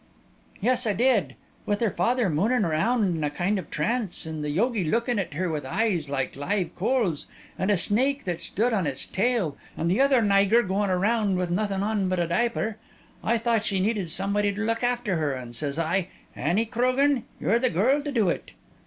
"Yes, I did. With her father moonin' round in a kind of trance, and the yogi lookin' at her with eyes like live coals, and a snake that stood on its tail, and the other naygur going around with nothin' on but a diaper, I thought she needed somebody to look after her; and says I, 'Annie Crogan, you're the girl to do it!'"